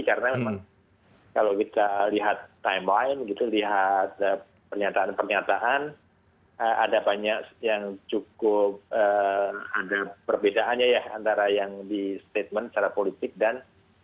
karena memang kalau kita lihat timeline gitu lihat pernyataan pernyataan ada banyak yang cukup ada perbedaannya ya antara yang di statement secara politik dan